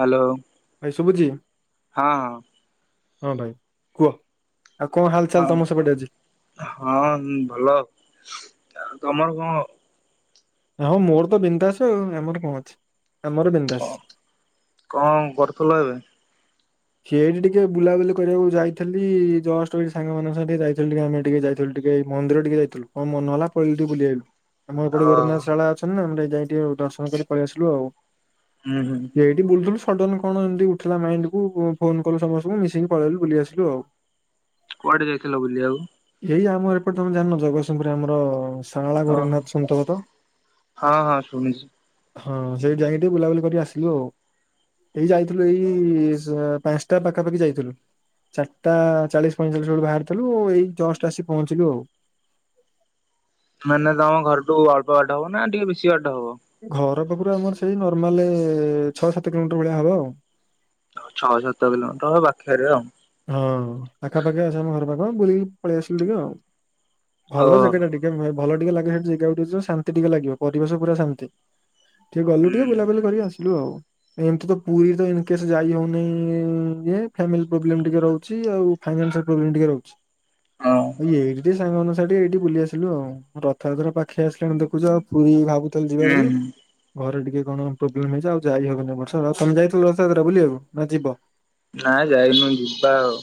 Hello. ଭାଇ ଶୁଭୁଚି? ହଁ। ହଁ ଭାଇ କୁହ, ଆଉ କଣ ହାଲ୍ ଚାଲ୍ ହଁ ତମ ସେପଟେ ଅଛି। ହଁ ଭଲ ଆଉ, ତମର କଣ? ଆଉ ମୋର ତ ବିନ୍ଧାସ ଆଉ ଆମର କଣ ଅଛି ଆମର [unintelligible] ହଁ କଣ କରୁଥିଲ ଏବେ? ସିଏଠି ଟିକେ ବୁଲାବୁଲି କରିବାକୁ ଯାଇଥିଲି ଜଷ୍ଟ ସାଙ୍ଗମାନଙ୍କ [unintelligible] ଯାଇଥିଲି ଟିକେ ଆମେ ଟିକେ ଯାଇ ଥିଲ ଟିକେ ମନ୍ଦିର ଟିକେ ଯାଇଥିଲୁ, କଁ ମନ ହେଲା ପଳେଇ ଟିକେ ବୁଲିଆଇଲୁ। ଆମର ଓ ଏପଟେ ଗୋରଖନାଥ ଶାରଳା ଅଛନ୍ତି ନା ଆମେ ଟିକେ ଯାଇକି ଦର୍ଶନ କରି ପଳେଇ ଆସିଲୁ ଆଉ। ହୁଁ-ହୁଁ। ଏଇଠି ବୁଲୁଥିଲୁ ସଡନ୍ କଣ ଏମିତି ଉଠିଲା ନାଇଁ [unintelligible] ଫୋନ୍ କଲୁ ସମସ୍ତଙ୍କୁ ମିଶେଇିକି ପଳେଇଲୁ ବୁଲି ଆସିଲୁ ଆଉ। କୁଆଡେ ଯାଇଥିଲ ବୁଲିବାକୁ? ଏଇ ଆମର ଏପଟେ ତମେ ଜାଣିନ ଜଗତସିଂପୁରରେ ଆମର ସାରଳା ଓହ ଗୋରଖନାଥ ସନ୍ତର୍ଗତ। ହଁ ହଁ ଶୁଣିଛି ହଁ ସେଇଠି ଯାଇକି ଟିକେ ବୁଲାବୁଲି କରି ଆସିଲୁ ଆଉ ଏଇ ଯାଇଥିଲୁ ଏଇ [unintelligible] ପାଞ୍ଚଟା ପାଖାପାଖି ଯାଇଥିଲୁ। ଚାରିଟା ଚାଳିଶି ପଇଁଚାଳିଶି ବେଳୁ ବାହାରିଥିଲୁ ଏଇ ଜଷ୍ଟ ଆସି ପହଞ୍ଚିଲୁ ଆଉ। ମାନେ ତମ ଘରଠୁ ଅଳ୍ପ ବାଟ ହବ ନା ଟିକେ ବେଶି ବାଟ ହବ? ଘର ପାଖରୁ ଆମର ସେଇ ନର୍ମାଲେ ଛଅ ସାତ କିଲୋମିଟର ଭଳିଆ ହବ ଆଉ। ଛଅ ସାତ କିଲୋମିଟର [unintelligible] ଆଉ। ହଁ ପାଖାପାଖି ଆସ ଆମ ଘର ପାଖ ବୁଲିକି ପଳେଇ ଆସିଲୁ ଟିକେ ଆଉ ଓ ଭଲ ଜାଗା ଟା ଟି ଭଲ ଟିକେ ଲାଗେ ସେ ଜାଗାକୁ ଟିକେ ଶାନ୍ତି ଲାଗିବ ପରିବେଶ ପୁରା ଶାନ୍ତି। ଟିକ ଗଲୁ ହୁଁ ଟିକେ ବୁଲାବୁଲି କରି ଆସି [inaudible] ପ୍ରୋବ୍ଲେମ୍ ଟିକେ ରହୁଚି ଆଉ ଫାଇନାଲ୍ ଟା ପ୍ରୋବ୍ଲେମ୍ ଟିକେ ରହୁଚି ହଁ [unintelligible] ସାଙ୍ଗମାନଙ୍କ ସାଙ୍ଗରେ ଟିକେ ଏଇଠି ବୁଲି ଆସିଲୁ ଆଉ। [unintelligible] ରଥଯାତ୍ରା ପାଖେଇ ଆସିଲାଣି ତ ଦେଖୁଚ ଆଉ ପୁରୀ ଭାବୁଥିଲି ଯିବା ହୁଁ ବୋଲି ହୁଁ ଘରେ ଟିକେ କଣ ପ୍ରୋବ୍ଲେମ୍ ହେଇଛି ଆଉ ଯାଇ ହବନି ବର୍ଷ ଆଉ ତମେ ଯାଇଥିଲ ରଥଯାତ୍ରା ବୁଲିବାକୁ ନା ଯିବ। ନାଇ ଯାଇନି ଯିବା ଆଉ।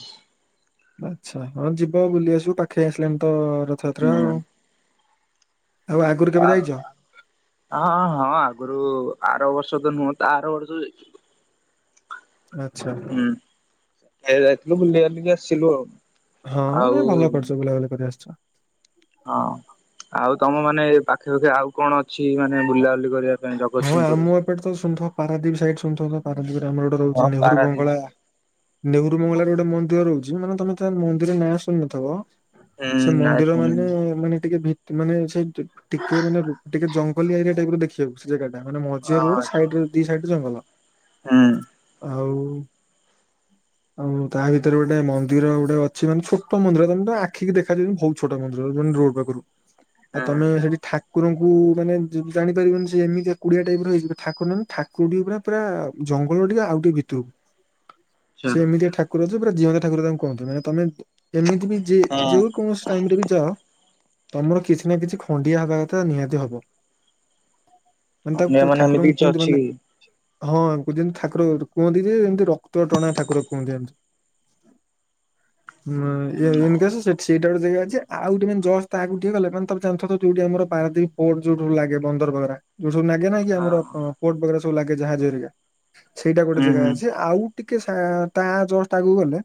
ଆଚ୍ଛା ହଁ ଯିବ ବୁଲି ଆସିବୁ ପାଖେଇ ଆସିଲେଣି ତ ରଥଯାତ୍ରା ହୁଁ ଆଉ। ଆଉ ଆଗରୁ କେବେ ଯାଇଚ? ହଁ-ହଁ-ହଁ ଆଗରୁ ଆର ବର୍ଷ ତ ନୁହଁ ତା ଆର ବର୍ଷ ଯାଇଛି। ଆଚ୍ଛା। ହୁଁ ଖାଇବାକୁ ଯାଇଥିଲୁ ବୁଲିବାଲି କି ଆସିଲୁ ଆଉ। ହଁ ନାଇଁ ଭଲ ଆଉ କରିୁଛ ବୁଲାବୁଲି କରି ଆସୁଛ। ହଁ ଆଉ ତମ ମାନେ ପାଖେ-ପାଖେ ଆଉ କଣ ଅଛି ମାନେ ନାହିଁ ବୁଲାବୁଲି କରିବା ପାଇଁ ଜଗତସିଂହପୁରୁ। [unintelligible] ଶୁଣିଥିବ ପାରାଦ୍ଵୀପ ସାଇଡ ଶୁଣିଥିବ ପାରାଦ୍ଵୀପରେ ଆମର ହଁ ରହୁଚି ନେହୁର୍ ପାରାଦ୍ୱୀପ। ବଙ୍ଗଳା। ନେହେରୁ ମଙ୍ଗଳାର ଗୋଟେ ମନ୍ଦିର ରହୁଚି ମାନେ ତମେ ତା ମନ୍ଦିର ନାଁ ଶୁଣି ନଥିବ ହୁଁ ସେ ନାଇଁ ମନ୍ଦିର ଶୁଣିନି ମାନେ-ମାନେ ଟିକେ ଭିତ ମାନେ ସେ ଟିକେ ମାନେ ଟିକେ ଜଙ୍ଗ ଜଙ୍ଗଲି ଏରିଆ ଟାଇପ୍ ର ଦେଖିବାକୁ ସେ ଜାଗା ଟା ମାନେ ହଁ ମଝିରେ ରୋଡ୍ ସାଇଡ ଦି ସାଇଡ ଜଙ୍ଗଲ। ହୁଁ। ଆଉ [inaudible] ଆଉ ତା ଭିତରେ ଗୋଟେ ମନ୍ଦିର ଗୋଟେ ଅଛି ମାନେ ଛୋଟ ମନ୍ଦିର ତମ ଆଖି ଦେଖା ଯିବନି ଭଉ ଛୋଟ ମନ୍ଦିର ରୋଡ ପାଖରୁ। ହଁ [inaudible] ଆଉ ତମେ ହେଠି ଠାକୁରଙ୍କୁ ମାନେ ଯୁ ଜାଣିପାରିବନି ଯେ ଏମିତି କୁଡିଆ ଟାଇପ ର ହେଇଚି ଠାକୁ ନା ନଁ ଠାକୁର ଟିକେ ପୁରା ଜଙ୍ଗଲ ଟିକେ ଆଉ ଟିକେ ଭିତରକୁ। [inaudible] ସେ ଏମିତି ଠାକୁର ଯେ ପୁରା ଜିଅନ୍ତା ଠାକୁର ତାଙ୍କୁ କୁହନ୍ତିୁ ମାନେ ତମେ ଏମିତି ବି ଯେ ଯେକୌଣସି [unintelligible] ତମର କିଛି ନା କିଛି ଖଣ୍ଡିଆ ହବା କଥା ନିହାତି ହବ। ମାନେ ଅନ୍ୟ ତାକୁ ଏମିତି ଠାକୁରଙ୍କୁ କିଛି କୁହନ୍ତି ଅଛି ମାନେ କି? ହଁ ଜୀମିତି ଠାକୁର କୁହନ୍ତି ଯେ ଏମିତି ରକ୍ତ ଟଣା ଠାକୁର କୁହନ୍ତି ଯେମିତି। [inaudible] [unintelligible] ସେଇଟା ହଁ ଗୋଟେ ଜାଗା ଅଛି ଆଉ ଗୋଟେ ଜଷ୍ଟ ଆଗକୁ ଟିକେ ଗଲେ ତମେ ଜାଣିଥିବା ଯୋଉଠି ଆମର ପାରାଦ୍ଵୀପ ବୋଟ୍ ଯୋଉ ସବୁ ଲାଗେ ବନ୍ଦର ବଗେରା ଯୋଉ ସବୁ ଲାଗେ ନାହିଁ କି ଆମର ପୋର୍ଟ ବଗେରା ସବୁ ଲାଗେ ଯାହାଜ ହେରିକା। ସେଇଟା ଗୋଟେ ହୁଁ ଜାଗା ହୁଁ ଅଛି ଆଉ ଟିକେ ଶା ତା ଜଷ୍ଟ ଆଗକୁ ଗଲେ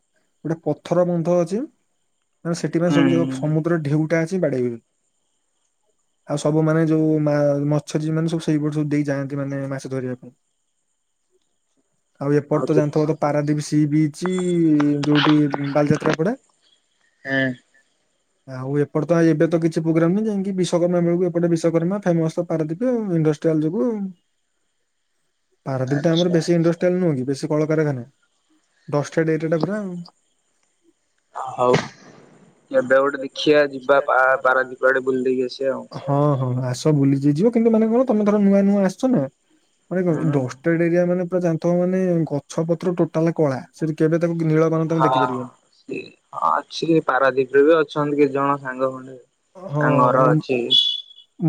ଗୋଟେ ପଥର ବନ୍ଧ ଅଛି। ମାନେ ସେଥିପାଇଁ ହୁଁ ସବୁଜାଗା ହୁଁ ସମୁଦ୍ର ଢେଉଟା ଅଛି ବାଡେଇ ହୁଏ ଆଉ ସବୁ ମାନେ ଯୋଉ ମା ମର୍ଚ୍ଛଜୀବି ମାନେ ସେଇପଟେ ସବୁ ଦେଇ ଯାଆନ୍ତି ମାନେ ମାଛ ଧରିବା ପାଇଁ। [inaudible] ଆଉ ଏପଟେ ତ ଦେଖି ଜାଣିଥିବ ତ ପାରାଦୀପ ସି ବିଚ୍ ଯୋଉଠି ବାଲିଯାତ୍ରା ପଡେ? ହେଁ। ଆଉ ଏପଟେ ତ ଏବେ ତ କିଛି ପ୍ରୋଗ୍ରାମ ନାଇ ଯାଇକି ବିଶକର୍ମା ବେଳକୁ ଏପଟେ ବେଶୀ ବିଶ୍ୱକର୍ମା ଫେମସ ପାରାଦୀପ ଇଣ୍ଡଷ୍ଟ୍ରିଆଲ ଯିବୁ। ପାରାଦ୍ୱୀପ ଟା ଆମର ଆଚ୍ଛା। ବେଶୀ ଇଣ୍ଡଷ୍ଟ୍ରିଆଲ ନୁହେଁ କି ବେଶୀ କଳକାରଖାନା ଡ୍ରଷ୍ଠଡେ ଏରିଆ ଟା ପୁରା। ଆଉ କେବେ ଗୋଟେ ଦେଖିବା ଯିବା ପା ପାରାଦୀପିଆଡେ ବୁଲି ଦେଇକି ଆସିବା ଆଉ। ହଁ ହଁ ଆସ ବୁଲିକିଯିବ କିନ୍ତୁ ମାନେ କଣ ତମେ ଧର ନୂଆ ନୂଆ ଆସଛ ନା ମାନେ କ ହୁଁ ଡଷ୍ଟ [unintelligible] ଏରିଆ ମାନେ ଗଛ ପତ୍ର ଟୋଟାଲ କଳା। ସେଠି କେବେ ତାକୁ [unintelligible] ହଁ ଦେଖିପାରିବନି। ସି ହଁ ଅଛି ପାରାଦ୍ୱୀପ ରେ ବି ଅଛନ୍ତି କିଛି ଜଣ ସାଙ୍ଗ ଖଣ୍ଡେ। ହଁ ତାଙ୍କ ଘର ରେମ୍ ଅଛି।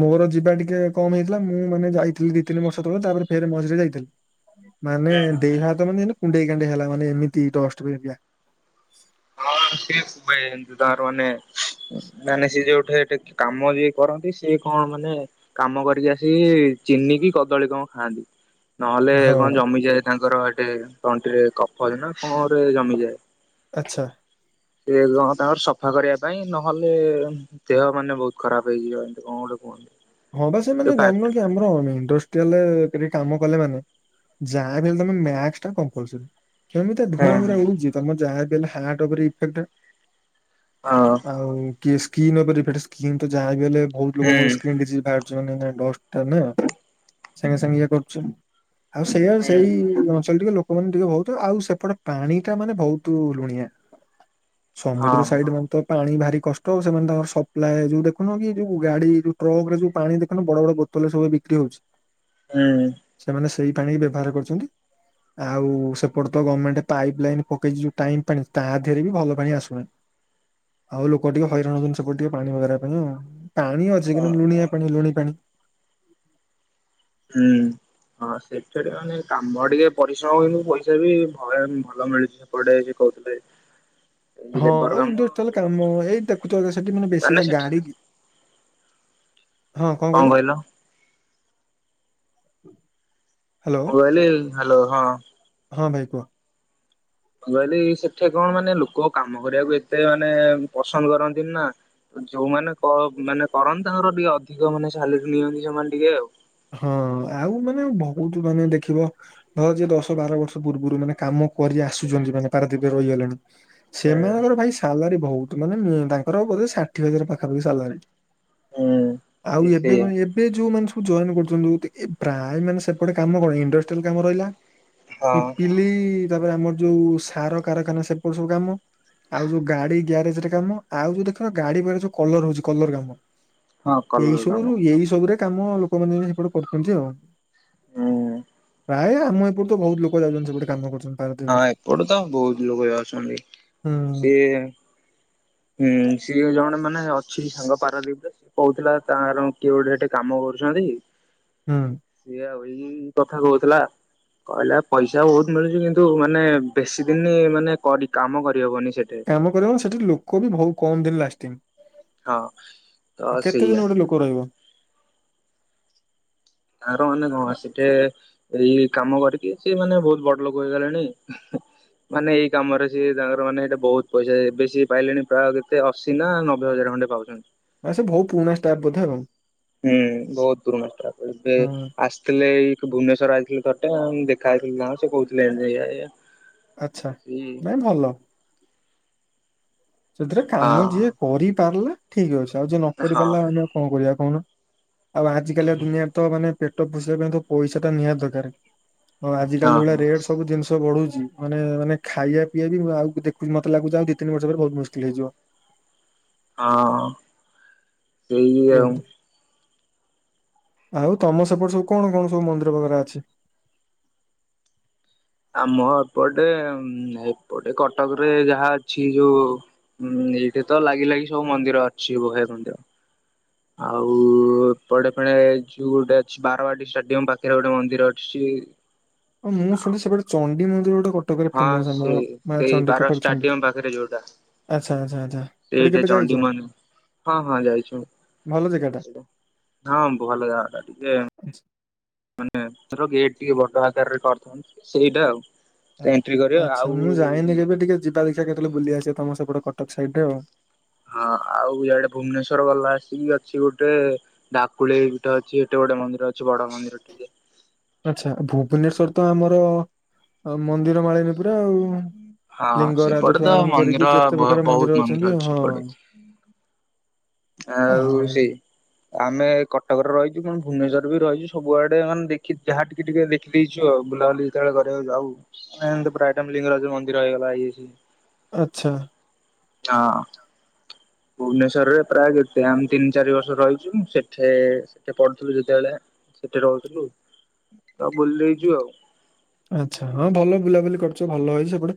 ମୋର ଯିବା ଟିକେ କମ ହେଇଥିଲା ମୁଁ ମାନେ ଯାଇଥିଲି ଦି ତିନି ବର୍ଷ ତଳେ ତାପରେ ଫେର ମଝିରେ ଯାଇଥିଲି। ମାନେ ହଁ ଦେହ ହାତ ମାନେ କୁଣ୍ଡେଇ କାଣ୍ଡେଇ ହେଲା ମାନେ ଏମିତି ଡଷ୍ଟ [unintelligible] ହଁ ସେୁ ଭାଇ ଏ ଯୁ ତାର ମାନେ [unintelligible] ମାନେ ସିଏ ଯୋଉଠି କାମ ଯିଏ କରନ୍ତି ସିଏ କଣ ମାନେ କାମ କରିକି ଆସିକି ଚିନି କି କଦଳୀ କଣ ଖାଆନ୍ତି? ନହେଲେ ହଁ କଣ ଜମିଯାଏ ତାଙ୍କର ହେଠେ ତଣ୍ଟିରେ କଫଜ ନା କଣରେ ଜମିଯାଏ। ଆଚ୍ଛା। ସେ କଣ ତାଙ୍କର ସଫା କରିବା ପାଇଁ ନହେଲେ ଦେହ ମାନେ ବହୁତ ଖରାପ ହେଇଯିବ ଏମିତି କଣ ଗୋଟେ କୁହନ୍ତୁ? ହଁ ବା ସେମାନେେ ଜାଣିବ କି ଆମରେ ଇଣ୍ଡ ତି ହେଲେ ହେଠୀ କାମ କଲେ ମାନେ ଯାହା ବି ହେଲେ ତମେ ମାସ୍କ ଟା କମ୍ପଲସରି। କେମିତି ଧୂଆଁ ଉରା ଉଡୁଛି ତମର ଯାହା ହେଲେ ହାର୍ଟ ଉପରେ ଇଫେକ୍ଟ। ହଁ। ଆଉ କିଏ ସ୍କିନ ଓପରେ ଡ଼ିପେଡ଼ ସ୍କିନ୍ ତ ଯାହାବି ହେଲେ ବୋହୁତ ହଁ ଲୋକଙ୍କର ସ୍କିନ୍ ଡିଜିଜ ବାହାରୁଚି ମାନେ ଏଇଟା ଡଷ୍ଟଟା ନା ସାଙ୍ଗେ ସାଙ୍ଗେ ଇଏ କରୁଚି। ଆଉ ସେଇଆ ହୁଁ ସେଇ ଅଞ୍ଚଳ ଟିକେ ଲୋକମାନେ ଟିକେ ବୋହୁତ ଆଉ ସେପଟେ ପାଣି ଟା ମାନେ ବୋହୁତୁ ଲୁଣିଆ। ହଁ ସମୁଦ୍ର ସାଇଡ଼ ମାନେ ତ ପାଣି ଭାରି କଷ୍ଟ ଆଉ ସେମାନେ ତାଙ୍କର ସପ୍ଲାଏ ଯୋଉ ଦେଖୁନ କି ଯୋଉ ଗାଡ଼ି ଯୋଉ ଟ୍ରକ ରେ ଯୋଉ ପାଣି ଦେଖୁନ ବଡ଼ ବଡ଼ ବୋତଲରେ ସବୁ ବିକ୍ରି ହଉଛି। ହୁଁ। ସେମାନେ ସେଇ ପାଣି ହି ବ୍ୟବହାର କରୁଛନ୍ତି। ଆଉ ସେପଟ ତ ଗମେଣ୍ଟ ପାଇପ୍ ଲାଇନ୍ ପକେଇଛି ଯୋଉ ଟାଇମ୍ ପାଣି ତା ଦେହରେ ବି ଭଲ ପାଣି ଆସୁନା। ଁ ଆଉ ଲୋକ ଟିକେ ହଇରାଣ ହୁଅନ୍ତି ସେପଟେ ଟିକେ ପାଣି ବଗେରା ପାଇଁ ଆଉ ପାଣି ଅଛି କିନ୍ତୁ ହଁ। ଲୁଣିଆ ପାଣି ଲୁଣି ପାଣି। ହୁଁ। ହଁ ସେଇଠାରେ ମାନେ କାମ ଟିକେ ପରିଶ୍ରମ କିନ୍ତୁ ପଇସା ବି ଭୟ ଭଲ ମିଳୁଛି। ସେପଟେ ଯୋ କହୁଥିଲେ ଏଇ ହଁ ଲେବର ଆଉ କାମ ଇଣ୍ଡୋରଟଲ କାମ ଏଇ ଦେଖୁଛ ସେଠି ମାନେ ବେଶୀ କା ଗାଡ଼ି କି ହଁ କଣ କହିଲ? ହ୍ୟାଲୋ ମୁଁ କହିଲି ହ୍ୟାଲୋ ହଁ। ହଁ ଭାଇ କୁହ। ମୁ କହିଲି ସେଠି କଣ ମାନେ ଲୋକ କାମ କରିବାକୁ ଏତେ ମାନେ ପସନ୍ଦ କରନ୍ତିନି ନା। ଯୋଉମାନେ କ ମାନେ କରନ୍ତି ତାଙ୍କର ଟିକେ ଅଧିକ ମାନେ ସାଲେରୀ ନିଅନ୍ତି ସେମାନେ ଟିକେ ଆଉ। ହଁ ଆଉ ମାନେ ବୋହୁତ ମାନେ ଦେଖିବ ଧ ଯିଏ ଦଶ ବାର ବର୍ଷ ପୂର୍ବରୁ ମାନେ କାମ କରି ଆସୁଛନ୍ତି ମାନେ ପାରାଦ୍ୱୀପରେ ରହିଗଲେଣି ସେମାନଙ୍କର ଭାଇ ସାଲାରୀ ବୋହୁତ ମାନେ ତାଙ୍କର ବୋଧେ ଷାଠିଏ ହଜାର ପାଖାପାଖି ସାଲାରୀ। ହୁଁ ଆଉ ହୁଁ ଏବେ ସେଇଆ ମାନେ ଏବେ ଯୋଉମାନେ ସୁଦୁ ଚୋରାଣ କରୁଛନ୍ତି ବୋହୁତ ଏ ପ୍ରାୟ ମାନେ ସେପଟେ କାମ କଣ ଇଣ୍ଡଷ୍ଟିଆଲ କାମ ରହିଲା ହଁ ପିପିଲି ତାପରେ ଆମର ଯୋଉ ସାର କାରଖାନା ସେପଟ ସବୁ କାମ। ଆଉ ଯୋଉ ଗାଡ଼ି ଗ୍ୟାରେଜରେ କାମ ଆଉ ଯୋଉ ଦେଖିନ ଗାଡ଼ି ଗୁରା ଯୋଉ କଲର ହଉଛି କଲର କାମ। ହଁ ଏଇ କଲର କାମ। ସବୁରୁ ଏଇ ସବୁରେ କାମ ଲୋକମାନେ ସେପଟେ କରୁଛନ୍ତି ଆଉ। ହଁ। ପ୍ରାୟ ଆମ ଏପଟୁ ତ ବହୁତ ଲୋକ ଯାଉଛନ୍ତି ସେପଟେ କାମ କରୁଛନ୍ତି। ହଁ ପାରାଦ୍ୱୀପରେ। ଏପଟୁ ତ ବୋହୁତ ଲୋକ ଯାଉଛନ୍ତି ହୁଁ ସିଏ ହୁଁ ସିଏ ଜଣେ ମାନେ ଅଛି ସାଙ୍ଗ ପାରାଦୀପ ରେ କୋହୁଥିଲା ତାର କିଏ ଗୋଟେ ଏଠି କାମ କରୁଛନ୍ତି। ହୁଁ। ସିଏ ଆଉ ଏଇ କଥା କହୁଥିଲା। କହିଲା ପଇସା ବହୁତ ମିଳୁଛି କିନ୍ତୁ ମାନେ ବେଶୀ ଦିନି ମାନେ କରି କାମ କରିହବନି ସେଠି। କାମ କରିହେବ ସେଠି ଲୋକ ବି ବୋହୁ କମ୍ ଦିନ ହଁ ତ ଲାଷ୍ଟିଙ୍ଗ କେତେଦିନ ସେଇଆ ଗୋଟେ ଲୋକ ରହିବ। ଆର ମାନେ କଣ ଆସି ଟେ ଏଇ କାମ କରିକି ସେ ମାନେ ବୋହୁତ ବଡ଼ ଲୋକ ହେଇଗଲେଣି। ମାନେ ଏଇ କାମରେ ସିଏ ତାଙ୍କର ମାନେ ଏଇଟା ବୋହୁତ ପଇସା ଏବେ ସେ ପାଇଲେଣି ପ୍ରାୟ କେତେ ଅ ସିନା ନବେ ହଜାର ଖଣ୍ଡେ ପାଉଚନ୍ତି। ହ ସେ ବୋହୁ ପୁରୁଣା ଷ୍ଟାପ୍ ବୋଧେ ଆଉ। ହୁଁ ବୋହୁତ ପୁରୁଣା ଷ୍ଟାପ୍ [unintelligible] ଥିଲେ ଏଇ ଭୁବନେଶ୍ୱର ଆଇଥିଲେ ତଟେ ଆଉ ମୁ ଦେଖା ହେଇଥିଲି ତାଙ୍କୁ ସେ କହୁଥିଲେ ଏମିତି ଏୟା ଏୟା। ଆଚ୍ଛା ନାଇଁ ଭଲ। ଏଥିରେ ହଁ କାମ ଯିଏ କରିପାରିଲା ଠିକ ଅଛି ଆଉ ଯିଏ ନ କରି ହଁ ପାରିଲା ଆମେ ଆଉ କଣ କରିବା କହୁନ। ଆଉ ଆଜିକାଲି ଦୁନିଆରେ ତ ମାନେ ପେଟ ପୋଷିବା ପାଇଁ ତ ପଇସାଟା ନିହାତି ଦରକାର। ହଁ ଆଜିକାଲି ଯଉଭଳିଆ ରେଟ୍ ସବୁ ଜିନିଷ ବଢୁଛି। ମାନେ ମାନେ ଖାଇବା ପିଇବା ଆଉ ଦେଖୁ ମତେ ଲାଗୁଛି ଆଉ ଦି ତିିନି ବର୍ଷ ପରେ ବହୁତ ମୁସ୍କିଲ୍ ହେଇଯିବ। ହଁ। ସେଇ ଆଉ। ଆଉ ତମ ସେପଟେ ସବୁ କଣ କଣ ସବୁ ମନ୍ଦିର ବେଗାରା ଅଛି। ଆମ ଏପଟେ ଏପଟେ କଟକ ରେ ଯାହା ଅଛି ଯୋଉ ହୁଁ ଏଇଠି ତ ଲାଗି ଲାଗି ସବୁ ମନ୍ଦିର ଅଛି ବହେ ମନ୍ଦିର। ଆଉ ଉଉଉ [unintelligible] ଗୋଟେ ଅଛି ବାରବାଟୀ ଷ୍ଟାଡିୟମ ପାଖରେ ଗୋଟେ ମନ୍ଦିର ଅଛି। ମୁଁ ଶଣିଚି ସେପଟେ ଚଣ୍ଡୀ ମନ୍ଦିର ଗୋଟେ କଟକରେ ହଁ ଫେମସ ଆମର ସେଇ ମା ସେଇ ଚଣ୍ଡୀ ବାର କଟକ ଚଣ୍ଡୀ। ଷ୍ଟାଡିୟମ ପାଖରେ ଯୋଉଟା ଆଚ୍ଛା ଆଚ୍ଛା ଆଚ୍ଛା ସେଠି ସେଇଠି କେବେ ଚଣ୍ଡି ଯାଇଛ? ମନ୍ଦିର ହଁ ହଁ ଯାଇଛୁ ଭଲ ଜାଗାଟା। ହଁ ଭଲ ଜାଗା ଟିକେ। [unintelligible] ମାନେ [unintelligible] ବଡ ଆକାରରେ କରିଥାନ୍ତ ସେଇଟା ଆଉ। ଆ- ତ ଏଣ୍ଟ୍ରି କରିବ ଆଚ୍ଛା ଆଉ ମୁଁ ଯାଇନି ଇଏ। କେବେ ଟିକେ ଯିବା ଦେଖିଆ କେତେବେଳେ ବୁଲି ଆସିବା ତମ ସେପଟ କଟକ ସାଇଟ୍ ରେ। ହଁ ଆଉ ଇଆଡ଼େ ଭୁବନେଶ୍ୱର [unintelligible] ଅଛି ଗୋଟେ। ଡାକୁଳେଇ ଗୋଟେ ଅଛି ଏଟା ଗୋଟେ ମନ୍ଦିର ଅଛି ବଡ ମନ୍ଦିର ଟିକେ। ଆଚ୍ଛା ଭୁବନେଶ୍ୱର ତ ଆମର ମନ୍ଦିର ମାଳିନୀ ପୁରା ଆଉ। ହଁ ସେପଟେ ଲିଙ୍ଗରାଜଠୁ ତ ଆରମ୍ଭ କରିକି ମନ୍ଦିର ଯେତେ ପ୍ରକାର ବହୁତ ଅଛନ୍ତି ମନ୍ଦିର ଆଉ ଅଛି ହଁ ସେପଟେ। ଆଉ ସେଇ ଆମେ କଟକରେ ରହିଛୁ କିନ୍ତୁ ଭୁବନେଶ୍ୱର ରେ ବି ରହିଛୁ ସବୁଆଡେ ମାନେ ଦେଖି ଯାହା ଟିକେ ଟିକେ ପିଇଚୁ ଆଉ ବୁଲାବୁଲି ଯେତେବେଳେ କରିବାକୁ ଯାଉ। [unintelligible] ପ୍ରାୟଟାଇମ ଲିଙ୍ଗରାଜ ମନ୍ଦିର ହେଇଗଲା ଇଏ। ଆଚ୍ଛା। ହଁ ଭୁବନେଶ୍ଵରରେ ପ୍ରାୟ କେତେ ଆମେ ତିନି ଚାରି ବର୍ଷ ରହିଛୁ ସେଠେ ପଢୁଥିଲୁ ଯେତେବେଳେ। ସେଠି ରହୁଥିଲୁ ତ ବୁଲିଦେଇଚୁ ଆଉ। ଆଚ୍ଛା ହଁ ଭଲ ବୁଲାବୁଲି କରୁଚ ଭଲ ହେଇଛି ସେପଟେ।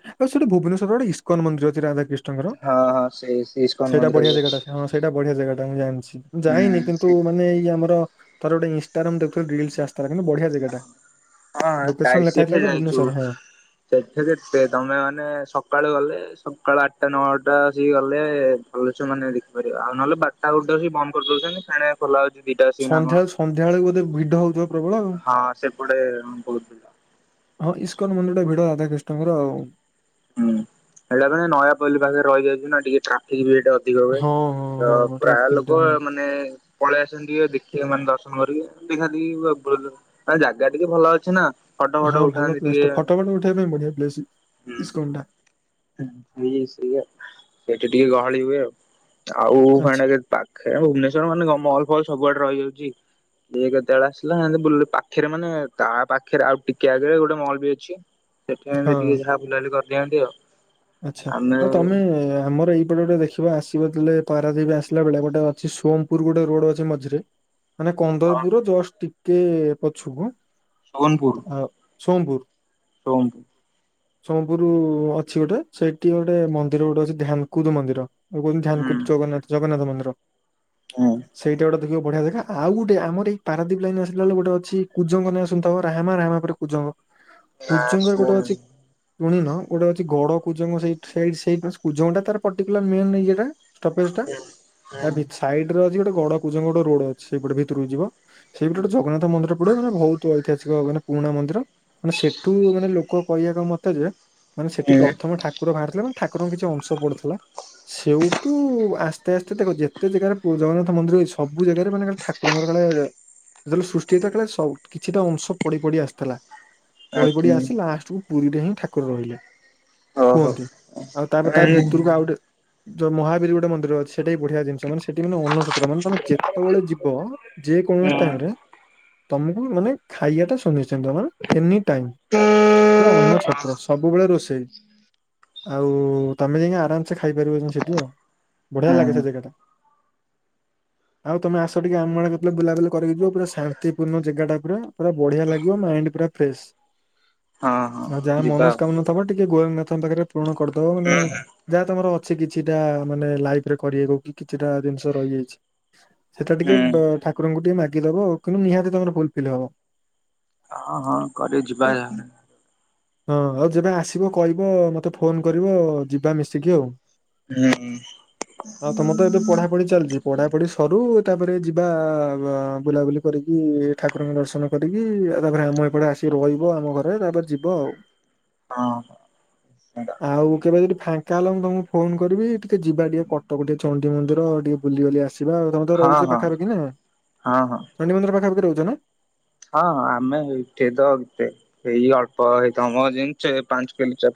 ଭୁବନେଶ୍ୱର ରେ ଗୋଟ ଇସ୍କନ ମନ୍ଦିର ଅଛି ରାଧା କ୍ରୀ ହଁ ହଁ ସେ ସେ ଇସ୍କନ ସେଟି ମନ୍ଦିର ବଢିଆ ବି ଅଛି। ଜାଗାଟା ହିଁ। ସେଇଟା ବଢିଆ ଜାଗା ଟା ମୁଁ ଜାଣିଛି ଯାଇନି ହୁଁ କିନ୍ତୁ ସେ ମାନେ ଏଇ ଆମର। ଥରେ ଗୋଟେ ଇନଷ୍ଟାରେ ଦେଖୁଥିଲି ରିଲିସ୍ ଆସିଥିଲା କିନ୍ତୁ ବଢିଆ ଜାଗାଟା ହଁ [unintelligible] ଯାଇ ଲେଖାାଇଥିଲା ସେଠି ଯେ ଯାଇଛୁ ଭୁବନେଶ୍ୱର ହ। [unintelligible] ତମେ ମାନେ ସକାଳୁ ଗଲେ ସକାଳୁ ଆଠଟା ନଅଟା ସେ ଗଲେ। ପୁରୁଷ ମାନେ ଦେଖିପାରିବେ, ଆଉ ନହଲେ ବାରଟା ଗୋଟେ ବନ୍ଦ କରିଦେଉଚନ୍ତି। ଫେଏଣେ ଖୁଲା ହଉଛି ଦିଟା ଆସିକିନା କଣ? ସନ୍ଧ୍ୟା ବେଳକୁ ବୋଧେଭିଡ ହେଉଥିବ। ହଁ ସେପଟେ ବହୁତ ଆଉ, ଇସ୍କନ ମନ୍ଦିର ଟି ଭିଡ ରାଧାକ୍ରିଷ୍ଣଙ୍କର ଆଉ ହୁଁ, ସେଇଟା ପରା ନୟାପଲ୍ଲି ପାଖରେ ରହିଯାଇଛି ନା ଟିକିଏ ଟ୍ରାଫିକ୍ ଭିଡ। ଦିଗ ବାଏ ହଁ ହଁ ହଁ ପ୍ରାୟ ଟ୍ରାଫିକ ଟା ଲୋକ ହଁ ମାନେ ପଳେଇ ଆସନ୍ତି ଟିକିଏଦେଖିବେ, ମାନେ ଦର୍ଶନ କରିବେ ଦେଖାଦେଖି ହଁ ଜାଗା ଟିକିଏ ଭଲ ଅଛି ନା? ଫଟୋ ଫଟ ହଁ ଭଲ ଉଠାନ୍ତି ପ୍ଲେସ ଟିକେ ଟେ, ଫଟ, ଫଟ ଉଠେଇବା ପାଇଁ ବଢିଆ ପ୍ଲେସ, ଇସ୍କନ ଟା। ଉଁ ସେ [unintelligible] ସେଠି ଟିକେ ଗହଳି ହୁଏ, ଆଉ [unintelligible] ଆଚ୍ଛା ଖେଳ ଭୁବନେଶ୍ୱର ମାନେ କଣ ମଲ ଫଲ ସବୁଆଡେ ରହିଯାଉଚି। କିଏ କେତେବେଳେ ଆସିଲା ବୁଲ ପାଖରେ, ମାନେ ତା ପାଖରେ, ଆଉ ଟିକେ ଆଗରେ ଗୋଟେ ମଲ୍ ବି ଅଛି। ସେଥିପାଇଁ ଆମେ ହଁ ଟିକେ ଯାହା ବୁଲାବୁଲି କରିଦିଅନ୍ତି ଆଉ। ଆଚ୍ଛା, ଆମେ ଆଉ ତମେ ଆମର ଏଇପଟେ ଗୋଟେ ଦେଖି ତ ଆସିବ ଯେତେବେଳେ ପାରାଦୀପ ଆସିଲାବେଳେ, ଗୋଟେ ଅଛି ସୋମପୁର ଗୋଟେ ରୋଡ ଅଛି ମଝିରେ ମାନେ ହଁ କନ୍ଦରପୁର ଜଷ୍ଟ ଟିକେ ପଛୁକୁ ଆ ସୋମପୁର। କୁହନ୍ତୁ। ସୋମପୁର ଅଛି ଗୋଟେ, ସେଇଠି ଗୋଟେ ମନ୍ଦିର ଗୋଟେ ଅଛି ଧ୍ୟାନକୁଦ ମନ୍ଦିର। କି ତାକୁ କୁହନ୍ତି ହୁଁ ଧ୍ୟାନକୁଦ ଜଗନ୍ନାଥ ଜଗନ୍ନାଥ ମନ୍ଦିର। ହୁଁ ସେଇଟା ଗୋଟେ ଦେଖିବ ବଢିଆ ଜାଗା। ଆଉ ଗୋଟେ ଆମର ଏଇ ପାରାଦୀପ ଲାଇନ ଆସିଲାବେଳେ ଗୋଟେ ଅଛି କୁଜଙ୍ଗ ନାଁ ଶୁଣିଥିବ। ରାହାମା ରାହାମା ପରେ କୁଜଙ୍ଗ। ନା କୁଜଙ୍ଗରେ ଗୋଟେ ଶୁଣ ଅଛି, ଶୁଣିନ ଗୋଟେ ଅଛି ଗଡ କୁଜଙ୍ଗ ସେଇ ସେଇ ସେଇ କୁଜଙ୍ଗଟା ତାର ପଟିର୍କୁଲାର ମେନ୍ ୟେ ଟା। ଷ୍ଟପେଜଟା। ତା ହୁଁ ଭିତର ସାଇଡରେ ଅଛି, ଗୋଟେ ଗଡ କୁଜଙ୍ଗ ରୋଡ ଅଛି। ସେଇପଟେ ଭିତରକୁ ଯିବ। ସେଇପଟେ ଗୋଟେ ହୁଁ ଜଗନ୍ନାଥ ମନ୍ଦିର ପଡିବ, ତାର ବହୁତ ଐତିହାସି ଯୋଉ ମାନେ ପୁରୁଣା ମନ୍ଦିର, ମାନେ ସେଠୁ ମାନେ ଲୋକ କହିବାର ମତ ଯେ ମାନେ ସେଠି ହୁଁ ପ୍ର ମୁଁ ଠାକୁର ବାହାରିଥିଲା, ଠାକୁରଙ୍କର କିଛି ଅଂଶ ପଡୁଥିଲା। ସେଇଠୁ ଆସ୍ତେ ଆସ୍ତେ ତାକୁଯେତେ ଜାଗାରେ ପୁ ଜଗନ୍ନାଥ ମନ୍ଦିର ସବୁ ଜାଗାରେ ମାନେ ଠା ଠାକୁରଙ୍କର କାଳେ ଯେତେବେଳେ ସୃଷ୍ଟି ହେଇଥିଲା, କାଳେ ସ କିଛିଟା ଅଂଶ ପଡି, ପଡି ଆସିଥିଲା। ପଡି, ଆଜ୍ଞା ପଡିି ଆସି ଲାଷ୍ଟକୁୁ ପୁରୀରେ ହିଁ ଠାକୁର ରହିଲେ। ହଉ ହଉ। କୁହନ୍ତି, ଆଉ ତାପରେ ତା ହୁଁ ହୁଁ। ଭିତରକୁ ଆଉ ଗୋଟେ, ଯୋଉ ମହାବୀର ଗୋଟେ ମନ୍ଦିର ଅଛି ସେଇଟା ବି ବଢିଆ ଜିନିଷ ମାନେ ସେଠି ମାନେ ଅନ୍ନଛତ୍ର, ମାନେ ତମେ ଯେତେବେଳେ ଯିବ, ଯେକୌଣସି ଟାଇମ ରେ ତମକୁ ମାନେ, ଖାଇବା ଟା ଶୁନିନ୍ତିତ, ମାନେ ଏନି ଟାଇମ୍, ପୁରା ଅନ୍ନଛତ୍ର ସବୁବେଳେ ରୋଷେଇ। ଆଉ, ତମେ ଯାଇକି ଆରାମସେ ଖାଇପାରିବ ତ ସେଠି ଆଉ। ବଢ଼ିଆ ହଁ ଲାଗେ ସେ ଯେଗାଟା। ଆଉ ତମେ ଆସ, ଟିକେ ଆମ ଆଡେ କେତେବେଳେ ବୁଲାବୁଲିିକରିକି ଯିବ, ପୁରା ଶାନ୍ତିପୂର୍ଣ୍ଣ ଯେଗା ଟା ପୁରା। ପୁରା ବଢିଆ ଲାଗିବ ମାଇଣ୍ଡ ପୁରା ଫ୍ରେସ୍। ହଁ ହଁ ଯିବା ଆଉ। ତମେ ଟିକେ ଗୋଏଙ୍ଗନାଥଙ୍କ ପାଖରେ ପୂରଣ କରିଦବ। ମାନେ ହୁଁ ଯାହା ତମର ଅଛି କିଛିଟା, ମାନେ ଲାଇଫରେ କରିବାକୁ କି କିଛିଟା ଜିନିଷ ରହିଯାଇଚି। ସେଟା ଟିକେ ହୁଁ ବ ଠାକୁରଙ୍କୁ ଟିକେ ମାଗିଦେବ, କିନ୍ତୁ ନିହାତି ତମର ଫୁଲଫିଲ୍ ହବ। ହଁ ହଁ କରି ଯିବା, ୟା ହଁ, ହଁ ଯେବେ ଆସିବ କହିବ ମତେ ଫୋନ କରିବ ଯିବା ମିଶିକି ଆଉ। ହଁ ତମର ତ ଏବେ ପଢାପଢି ଚାଲିଚି, ପଢାପଢି ସରୁ ତାପରେ ଯିବା ଅ ବୁଲାବୁଲି କରିକି ଠାକୁରଙ୍କ ଦର୍ଶନ କରିକି, ତାପରେ ଆମ ଏପଟେ ଆସିକି ରହିବ ଆମ ଘରେ ତାପରେ ଯିବ ଆଉ। ହଁ, ହଁ। ଆଉ କେବେ ଯଦି ଫାଙ୍କା ହେଲ, ମୁଁ ତମକୁ ଫୋନ କରିବି। ଟିକେ ଯିବା ଟିକେ କଟକ ଟିକେ ଚଣ୍ଡୀ ମନ୍ଦିର ଆଉ ଟିକେ ବୁଲି ବାଲି ଆସିବା, ଆଉ ତମେ ତ ରହୁଚ ହଁ ହଁ ପାଖାପାଖି ନା? ଚଣ୍ଡି ମନ୍ଦିର ପାଖାପାଖି ରହୁଚ ନା? ହଁ ହଁ ଆମେ ଏଇଠି ସେ ତ କେ ଏଇ ଅଳ୍ପ ଏଇ ଯେମିତି ପାଞ୍ଚ କିଲ୍ ଚଟା